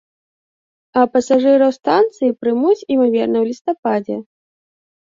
А пасажыраў станцыі прымуць, імаверна, у лістападзе.